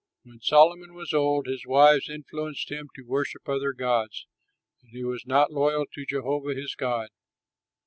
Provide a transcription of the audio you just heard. When Solomon was old, his wives influenced him to worship other gods, and he was not loyal to Jehovah his God.